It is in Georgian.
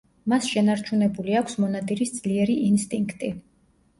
მას შენარჩუნებული აქვს მონადირის ძლიერი ინსტინქტი.